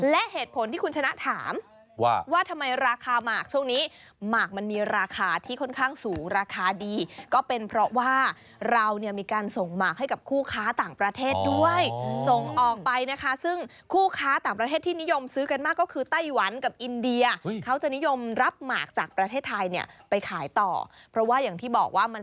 และเหตุผลที่คุณชนะถามว่าว่าทำไมราคาหมากช่วงนี้หมากมันมีราคาที่ค่อนข้างสูงราคาดีก็เป็นเพราะว่าเราเนี่ยมีการส่งหมากให้กับคู่ค้าต่างประเทศด้วยส่งออกไปนะคะซึ่งคู่ค้าต่างประเทศที่นิยมซื้อกันมากก็คือไต้หวันกับอินเดียเขาจะนิยมรับหมากจากประเทศไทยเนี่ยไปขายต่อเพราะว่าอย่างที่บอกว่ามัน